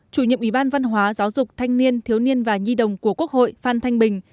chủ nhiệm ủy ban văn hóa giáo dục thanh niên thiếu niên và nhi đồng của quốc hội phan thanh bình